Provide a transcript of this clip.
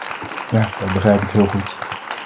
Ja, dat begrijp ik heel goed.